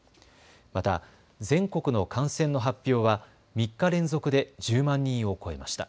また、全国の感染の発表は３日連続で１０万人を超えました。